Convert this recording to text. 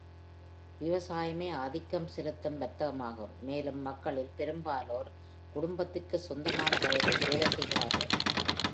விவசாயமே ஆதிக்கம் செலுத்தும் வர்த்தகமாகும், மேலும் மக்களில் பெரும்பாலோர் குடும்பத்திற்கு சொந்தமான வயலில் வேலை செய்கிறார்கள்.